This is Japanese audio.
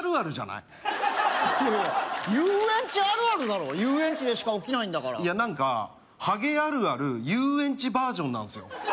いやいや遊園地あるあるだろ遊園地でしか起きないんだからいや何かハゲあるある遊園地バージョンなんすよ